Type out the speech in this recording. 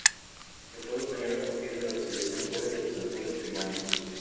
Se pueden obtener a partir de la oxidación suave de los alcoholes primarios.